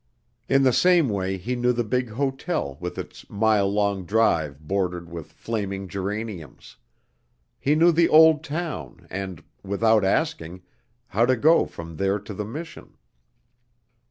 In the same way he knew the big hotel with its mile long drive bordered with flaming geraniums; he knew the old town and without asking how to go from there to the Mission.